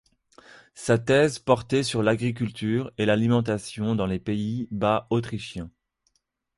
Sa thèse portait sur l'agriculture et l'alimentation dans les Pays-Bas autrichiens.